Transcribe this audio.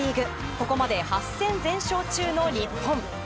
ここまで８戦全勝中の日本。